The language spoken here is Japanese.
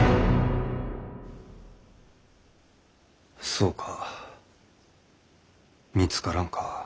そうか見つからんか。